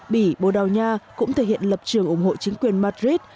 bỉ bồ đào nha cũng thể hiện lập trường ủng hộ chính quyền madrid